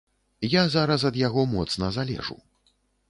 Я зараз ад яго моцна залежу.